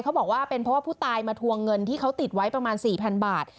เขาบอกว่าเป็นเพราะว่าผู้ตายมาทวงเงินที่เขาติดไว้ประมาณ๔๐๐๐บาท